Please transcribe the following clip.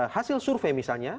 hasil survei misalnya